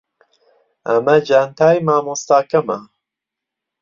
ئەمە جانتای مامۆستاکەمە.